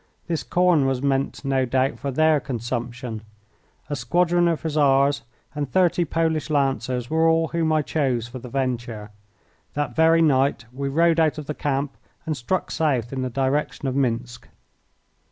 This corn was meant, no doubt, for their consumption. A squadron of Hussars and thirty Polish Lancers were all whom I chose for the venture. That very night we rode out of the camp, and struck south in the direction of Minsk.